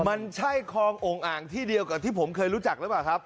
มันใช่คลององค์อ่างที่เดียวกับที่ผมเคยรู้จักหรือเปล่าครับ